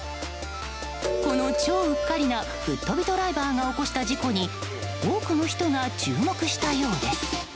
この超うっかりなぶっとびドライバーが起こした事故に多くの人が注目したようです。